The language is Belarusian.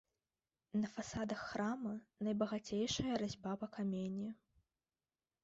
На фасадах храма найбагацейшая разьба па камені.